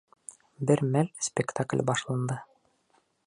Бер мәл спектакль башланды.